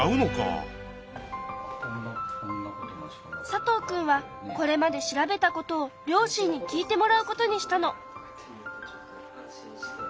佐藤くんはこれまで調べたことを両親に聞いてもらうことにしたの。